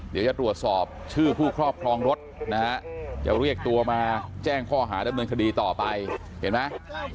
เดี๋ยวจะตรวจสอบชื่อผู้ครอบครองรถนะฮะจะเรียกตัวมาแจ้งข้อหาดำเนินคดีต่อไปเห็นไหม